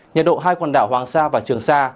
nhiệt độ hai quần đảo hoàng sa và trường sa